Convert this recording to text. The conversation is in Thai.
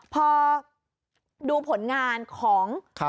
พอดูผลงานของ